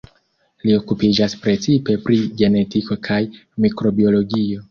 Li okupiĝas precipe pri genetiko kaj mikrobiologio.